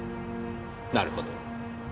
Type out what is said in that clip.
なるほど。